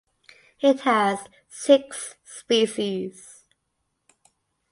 It has six species.